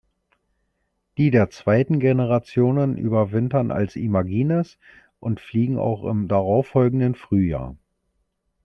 Die der zweiten Generationen überwintern als Imagines und fliegen auch im darauffolgenden Frühjahr.